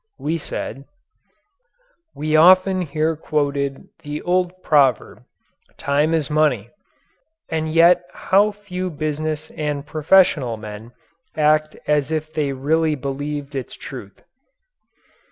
We said: We often hear quoted the old proverb, "Time is money" and yet how few business and professional men act as if they really believed its truth.